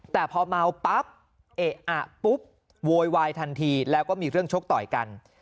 แต่พอเมาปั๊บเอะอะปุ๊บโวยวายทันทีแล้วก็มีเรื่องชกต่อยกัน